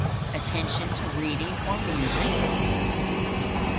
_ _Attention to reading or music.